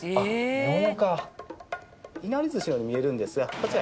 いなりずしのように見えるんですがこちら。